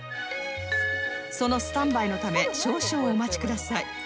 そのスタンバイのため少々お待ちください